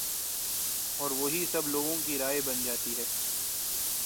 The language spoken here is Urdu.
اور وہی سب لوگوں کی رائے بن جاتی